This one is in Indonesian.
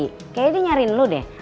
kayaknya dia nyariin lo deh